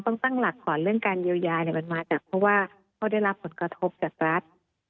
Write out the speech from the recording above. ต้องตั้งหลักก่อนเรื่องการเยียวยามันมาจากเพราะว่าเขาได้รับผลกระทบจากรัฐ